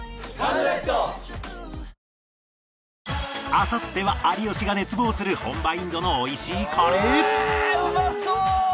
あさっては有吉が熱望する本場インドの美味しいカレーうまそう！